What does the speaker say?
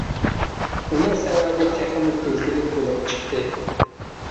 ئۇنىڭ سەۋەبى تېخىمۇ كۈلكىلىك بولۇپ چىقتى.